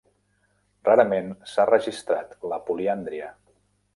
Rarament s'ha registrat la poliàndria.